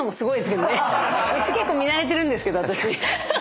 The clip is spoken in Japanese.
「牛結構見慣れてるんですけど私」